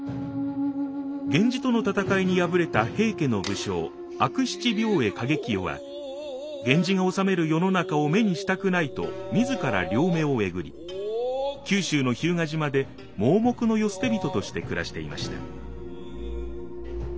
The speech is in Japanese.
源氏との戦いに敗れた平家の武将悪七兵衛景清は源氏が治める世の中を目にしたくないと自ら両目をえぐり九州の日向嶋で盲目の世捨て人として暮らしていました。